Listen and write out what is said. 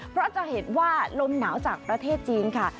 เพราะจะเห็นว่าลมหนาวจากประเทศจีนค่ะ